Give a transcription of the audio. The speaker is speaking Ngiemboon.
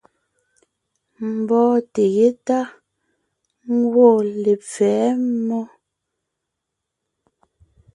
Mbɔ́ɔnte yétá gwɔ̂ lepfɛ̌ mmó.